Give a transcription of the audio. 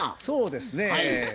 そうですねぇ。